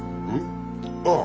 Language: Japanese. ああ。